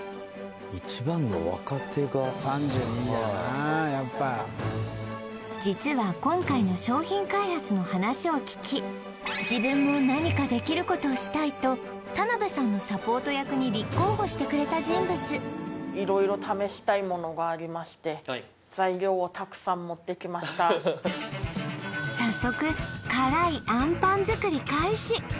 一番の若手が３２じゃなやっぱ実は今回の商品開発の話を聞き自分も何かできることをしたいと田辺さんのサポート役に立候補してくれた人物いろいろ試したいものがありまして早速辛いあんぱん作り開始